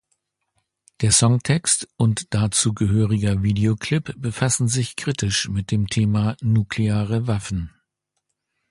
Der Songtext und dazu gehöriger Videoclip befassen sich kritisch mit dem Thema „Nukleare Waffen“.